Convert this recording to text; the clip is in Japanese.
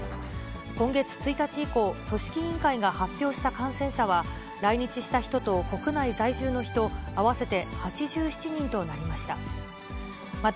今月１日以降、組織委員会が発表した感染者は、来日した人と国内在住の人合わせて８７人となりました。